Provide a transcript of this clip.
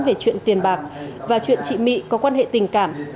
về chuyện tiền bạc và chuyện chị my có quan hệ tình cảm